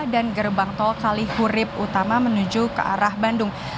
dan gerbang tol kalihurib utama menuju ke arah bandung